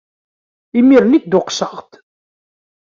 Imir-nni dduqseɣ-d!